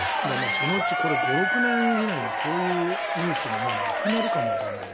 そのうちこれ５６年以内にはこういうニュースももうなくなるかもわからないね。